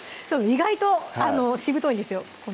意外としぶといんですよ